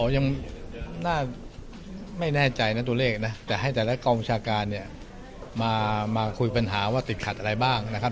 ยังน่าไม่แน่ใจนะตัวเลขนะแต่ให้แต่ละกองบัญชาการเนี่ยมาคุยปัญหาว่าติดขัดอะไรบ้างนะครับ